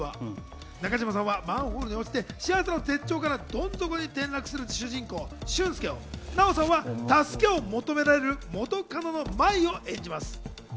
中島さんはマンホールに落ちて、幸せの絶頂からどん底に転落する主人公・俊介を奈緒さんは助けを求められる元カノの舞を演じます。